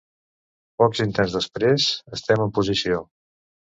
Pocs instants després estem en posició.